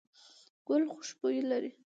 ګل خوشبو لري